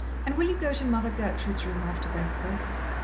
And will you go to Mother Gertrude's room after Vespers?"